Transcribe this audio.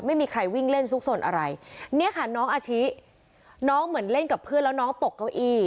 ไม่มีใครวิ่งเล่นซุกสนอะไรเนี่ยค่ะน้องอาชิน้องเหมือนเล่นกับเพื่อนแล้วน้องตกเก้าอี้